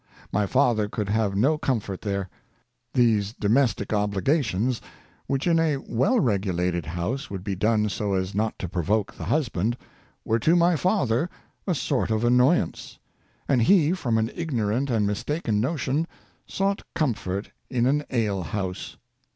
My father could have no comfort there. These domestic obligations, which in a well regulated house would be done so as not to provoke the husband, were to my father a sort of annoyance; and he, from an ignorant and mistaken notion, sought comfort in an ale house.